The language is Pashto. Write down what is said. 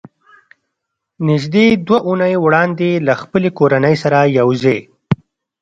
نږدې دوه اوونۍ وړاندې له خپلې کورنۍ سره یو ځای